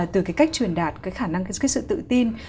từ cái cách truyền đạt cái khả năng cái sự tự tin